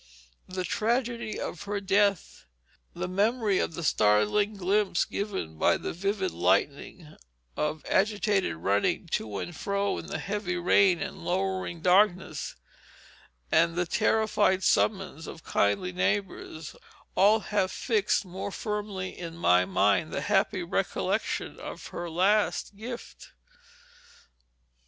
The tragedy of her death, the memory of the startling glimpses given by the vivid lightning, of agitated running to and fro in the heavy rain and lowering darkness, and the terrified summons of kindly neighbors, all have fixed more firmly in my mind the happy recollection of her last gift.